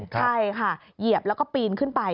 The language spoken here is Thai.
ใช่ค่ะเหยียบแล้วก็ปีนขึ้นไป